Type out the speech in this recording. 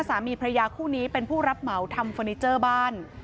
สามีพระยาคู่นี้เป็นผู้รับเหมาทำเฟอร์นิเจอร์บ้าน